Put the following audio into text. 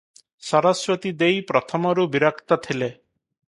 ସରସ୍ୱତୀ ଦେଈ ପ୍ରଥମରୁ ବିରକ୍ତ ଥିଲେ ।